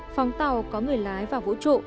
phóng tàu có người lái vào vũ trụ